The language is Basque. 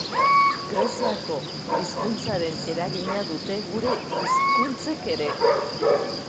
Greziako hizkuntzaren eragina dute gure hizkuntzek ere.